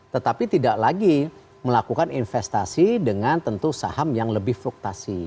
tetapi tidak lagi melakukan investasi dengan tentu saham yang lebih fluktasi